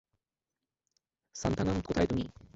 সান্থানাম, কোথায় তুমি?